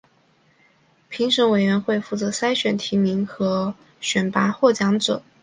评审委员会负责筛选提名和选拔获奖者。